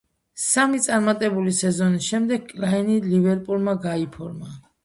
სამი წარმატებული სეზონის შემდეგ კლაინი „ლივერპულმა“ გაიფორმა.